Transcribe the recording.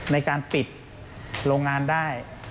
ในการปิดโรงงานได้